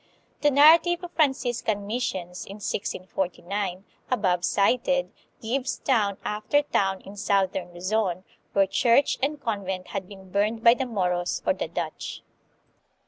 The narrative of Franciscan missions in 1649, above cited, gives town after town in southern Luzon, where church and convent had been burned by the Moros or the Dutch.